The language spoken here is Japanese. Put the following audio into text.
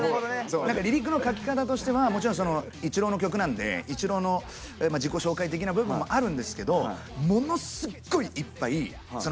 何かリリックの書き方としてはもちろんその一郎の曲なんで一郎の自己紹介的な部分もあるんですけどものすごいいっぱいうわ